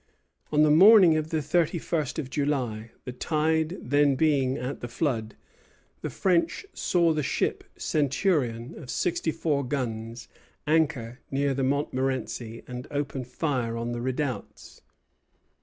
On the morning of the thirty first of July, the tide then being at the flood, the French saw the ship "Centurion," of sixty four guns, anchor near the Montmorenci and open fire on the redoubts.